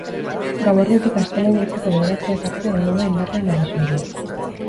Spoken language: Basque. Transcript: Gauerditik astelehen goizeko bederatziak arte egongo da indarrean abisu horia.